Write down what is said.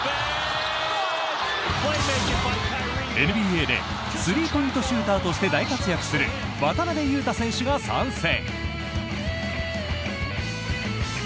ＮＢＡでスリーポイントシューターとして大活躍する渡邊雄太選手が参戦！